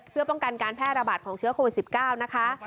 เพื่อป้องกันการแพร่ระบาดของเชื้อโควิด๑๙นะคะ